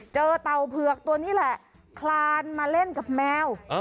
เต่าเผือกตัวนี้แหละคลานมาเล่นกับแมว